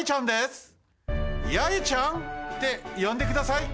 ヤエちゃんってよんでください。